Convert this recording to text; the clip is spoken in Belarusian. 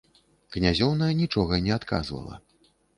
Князёўна нічога не адказвала.